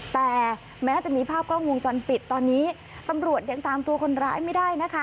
แต่แม้จะมีภาพกล้องวงจรปิดตอนนี้ตำรวจยังตามตัวคนร้ายไม่ได้นะคะ